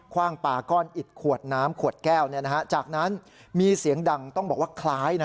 ว่างปลาก้อนอิดขวดน้ำขวดแก้วจากนั้นมีเสียงดังต้องบอกว่าคล้ายนะ